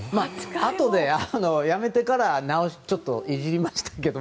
あとでやめてからちょっといじりましたけど。